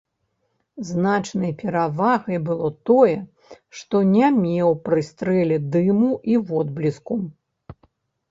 Значнай перавагай было тое, што не меў пры стрэле дыму і водбліску.